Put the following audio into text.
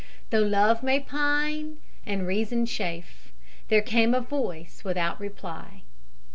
"Though Love may pine, and Reason chafe, There came a Voice without reply."